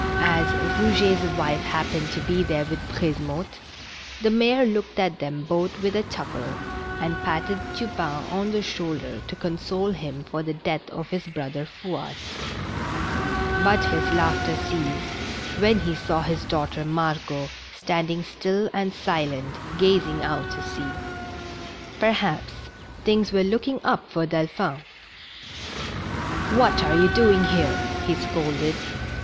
As Eouget's wife happened to be there with Brisemotte, the mayor looked at them both with a chuckle, and patted Tupain on the shoulder to console him for the death of his brother Fouasse. But his laughter ceased when he saw his daughter Margot stand ing still and silent, gazing out to sea. Perhaps things were looking up for Delphi n. "What are you doing here? " he scolded.